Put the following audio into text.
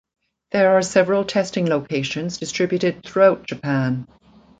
There are several testing locations distributed throughout Japan.